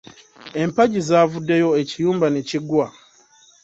Emapagi zavuddeyo ekiyumba ne kigwa.